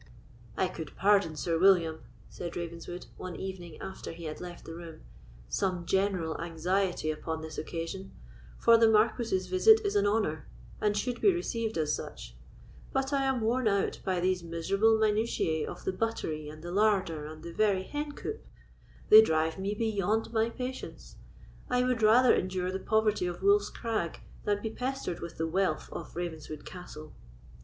"I could pardon Sir William," said Ravenswood, one evening after he had left the room, "some general anxiety upon this occasion, for the Marquis's visit is an honour, and should be received as such; but I am worn out by these miserable minutiae of the buttery, and the larder, and the very hencoop—they drive me beyond my patience; I would rather endure the poverty of Wolf's Crag than be pestered with the wealth of Ravenswood Castle."